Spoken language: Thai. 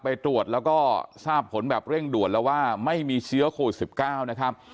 ไปตรวจแล้วก็ทราบผลแบบเร่งด่วนแล้วว่าไม่มีเชื้อโควิด๑๙นะครับ